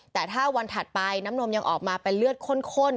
แต่ถ้าวันถัดไปน้ำนมยังออกมาเป็นเลือดข้น